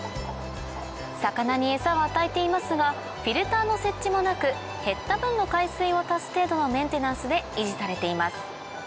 魚にエサは与えていますがフィルターの設置もなく減った分の海水を足す程度のメンテナンスで維持されています